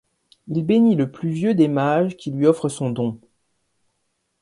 Il bénit le plus vieux des mages qui lui offre son don.